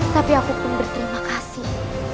tapi aku pun berterima kasih